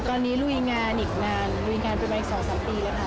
ตอนนี้รุยงานยังโดงนานรุยงานไปมาอีก๒๓ปีแหละค่ะ